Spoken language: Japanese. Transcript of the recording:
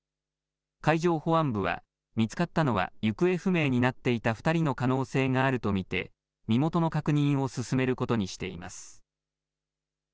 海上保安部は、見つかったのは行方不明になっていた２人の可能性があるとみて身元の確認を進めることにしています。